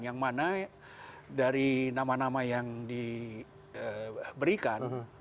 yang mana dari nama nama yang diberikan